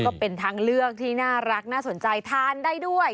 ก็เป็นทางเลือกที่น่ารักน่าสนใจทานได้ด้วย